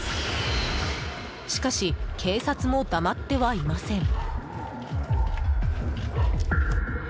しかし、警察も黙ってはいません。